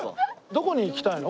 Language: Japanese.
どこに行きたいの？